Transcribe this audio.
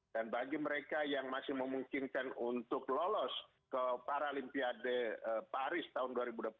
dan bagi mereka yang masih memungkinkan untuk lolos ke paralimpiade paris tahun dua ribu dua puluh empat